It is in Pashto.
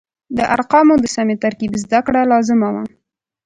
د ارقامو د سمې ترکیب زده کړه لازمه وه.